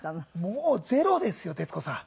もうゼロですよ徹子さん。